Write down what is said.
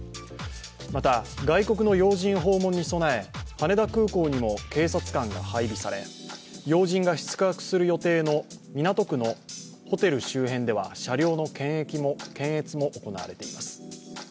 また外国の要人訪問に備え、羽田空港にも警察官が配備され、要人が宿泊する予定の港区のホテル周辺では車両の検問も行われています。